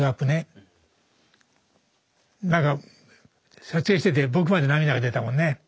何か撮影してて僕まで涙が出たもんね。